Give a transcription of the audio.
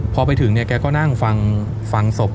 พอไปถึงแกก็นั่งฟังศพ